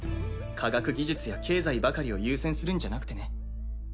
科学技術や経済ばかりを優先するんじゃなくてね。